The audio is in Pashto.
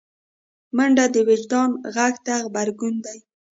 منډه د وجدان غږ ته غبرګون دی